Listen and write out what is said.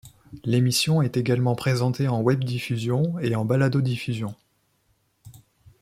L'émission est également présentée en webdiffusion et en baladodiffusion.